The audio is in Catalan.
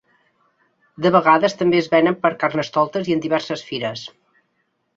De vegades també es venen per carnestoltes i en diverses fires.